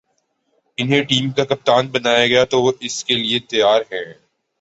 انہیں ٹیم کا کپتان بنایا گیا تو وہ اس کے لیے تیار ہیں